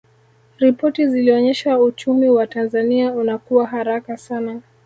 ripoti zilionyesha uchumi wa tanzania unakua haraka sana